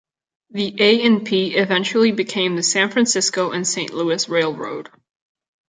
The A and P eventually became the San Francisco and Saint Louis railroad.